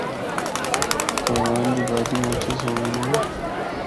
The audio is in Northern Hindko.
کاغان دی وادی مُچ ہی سہنڑی اے۔